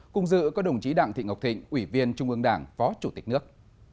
cùng dự có đồng chí đặng thị ngọc thịnh ủy viên trung ương đảng phó chủ tịch nước